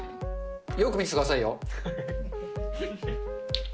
よく見ててくださいよ。